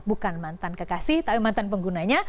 bukan mantan kekasih tapi mantan penggunanya